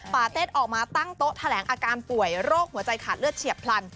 เต็ดออกมาตั้งโต๊ะแถลงอาการป่วยโรคหัวใจขาดเลือดเฉียบพลัน